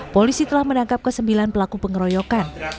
polisi telah menangkap ke sembilan pelaku pengeroyokan